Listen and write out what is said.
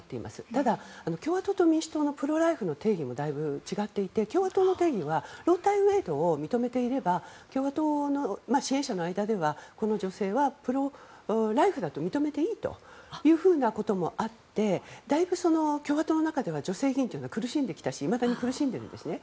ただ、共和党と民主党のプロ・ライフの定義もだいぶ違っていて共和党の定義はロー対ウェイドを認めていれば共和党の支援者の間ではこの女性はプロ・ライフだと認めていいということもあってだいぶ、共和党の中では女性議員は苦しんできたしいまだに苦しんでいるんですね。